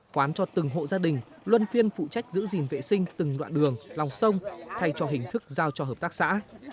khoán cho từng hộ gia đình luân phiên phụ trách giữ gìn vệ sinh từng đoạn đường lòng sông thay cho hình thức giao cho hợp tác xã